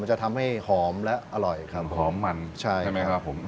จะทำให้หอมและอร่อยครับหอมมันใช่ไหมครับผม